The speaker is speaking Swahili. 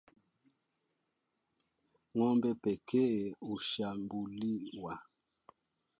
Ngombe pekee hushambuliwa